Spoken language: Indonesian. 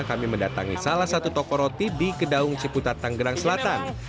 kami mendatangi salah satu toko roti di kedaung ciputat tanggerang selatan